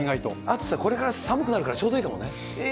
あとさ、これから寒くなるからちょうどいいかもね。